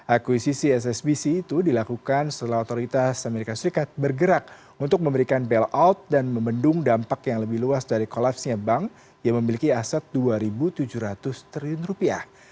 akuisisi ssbc itu dilakukan setelah otoritas amerika serikat bergerak untuk memberikan bailout dan membendung dampak yang lebih luas dari kolapsnya bank yang memiliki aset dua ribu tujuh ratus triliun rupiah